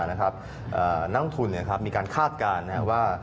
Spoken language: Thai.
นักทุนมีการคาดการณ์ว่า